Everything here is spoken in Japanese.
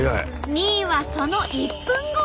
２位はその１分後。